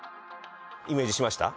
イメージしました？